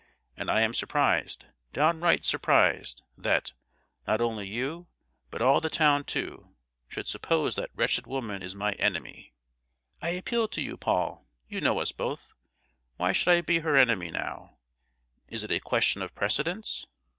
And I am surprised, downright surprised, that, not only you, but all the town, too, should suppose that that wretched woman is my enemy! I appeal to you, Paul—you know us both. Why should I be her enemy, now? Is it a question of precedence?